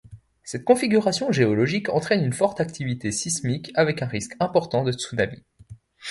Cette configuration géologique entraîne une forte activité sismique avec un risque important de tsunami.